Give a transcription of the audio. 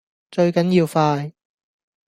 最緊要快